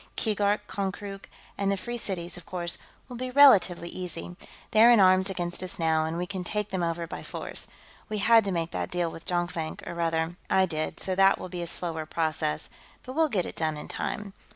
"Keegark, Konkrook, and the Free Cities, of course, will be relatively easy. They're in arms against us now, and we can take them over by force. We had to make that deal with Jonkvank, or, rather, I did, so that will be a slower process, but we'll get it done in time.